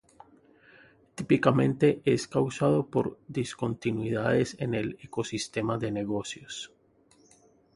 Típicamente es causado por discontinuidades en el ecosistema de negocios.